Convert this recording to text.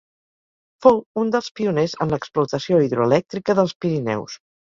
Fou un dels pioners en l'explotació hidroelèctrica dels Pirineus.